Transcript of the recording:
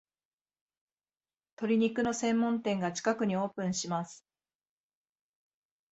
鶏肉の専門店が近くにオープンします